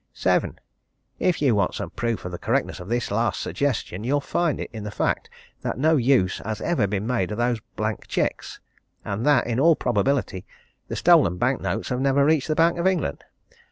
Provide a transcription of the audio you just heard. "7. If you want some proof of the correctness of this last suggestion, you'll find it in the fact that no use has ever been made of those blank cheques, and that in all probability the stolen bank notes have never reached the Bank of England.